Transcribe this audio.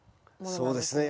そうですね。